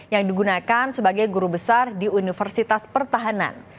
yang digunakan sebagai guru besar di universitas pertahanan